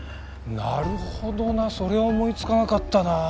なるほどなそれは思いつかなかったな。